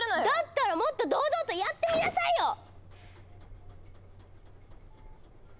だったらもっと堂々とやってみなさいよ！